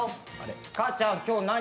母ちゃん、今日何？